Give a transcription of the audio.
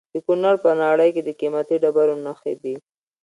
د کونړ په ناړۍ کې د قیمتي ډبرو نښې دي.